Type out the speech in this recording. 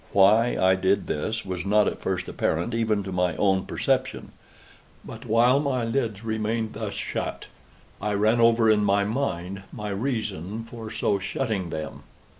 Why I did this was not at first apparent even to my own perception. But while my lids remained thus shut, I ran over in my mind my reason for so shutting them.